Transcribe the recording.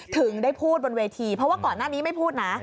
ถึงได้พูดบนเวทีเพราะว่าก่อนหน้านี้ไม่พูดนะ